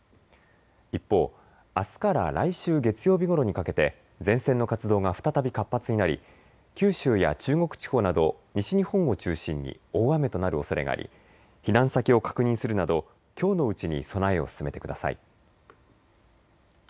一方あすから来週月曜日ごろにかけて前線の活動が再び活発になり九州や中国地方など西日本を中心に大雨となるおそれがあり避難先を確認するなど、きょうのうちに備えを進めてください。